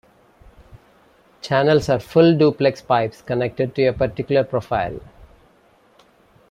Channels are full-duplex pipes connected to a particular profile.